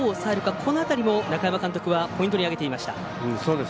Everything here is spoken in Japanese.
この辺りを中山監督はポイントに挙げていました。